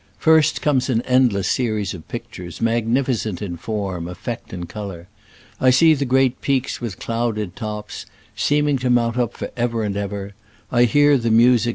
First comes an endless series of pictures, magnificent in form, effect and color. I see the great peaks with clouded tops, seeming to mount up for ever and ever ; I hear the music Qlj^J^&^t^'^m^% >':r.